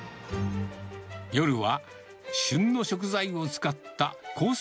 夜は旬の食材を使ったコース